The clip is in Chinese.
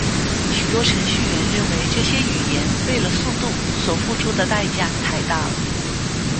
许多程序员认为这些语言为了速度所付出的代价太大了。